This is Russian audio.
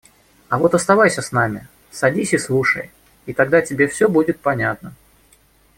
А вот оставайся с нами! Садись и слушай, и тогда тебе все будет понятно.